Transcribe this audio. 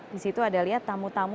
di situ ada lihat tamu tamu